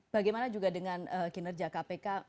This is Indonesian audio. bagaimana juga dengan kinerja kpk